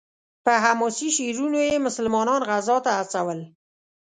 په حماسي شعرونو یې مسلمانان غزا ته هڅول.